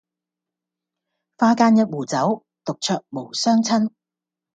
花間一壺酒，獨酌無相親